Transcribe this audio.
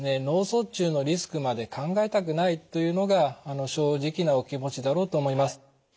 脳卒中のリスクまで考えたくないというのが正直なお気持ちだろうと思います。